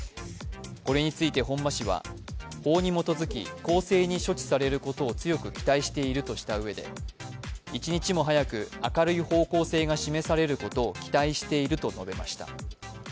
これについて本間氏は法に基づき公正に処置されることを強く期待しているとしたうえで一日も早く明るい方向性が示されることを期待していると述べました。